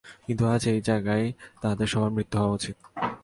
কিন্তু আজ এই জায়গায় তাদের সবার মৃত্যু হওয়া উচিত।